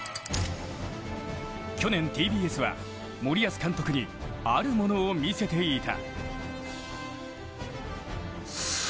去年、ＴＢＳは森保監督にあるものを見せていた。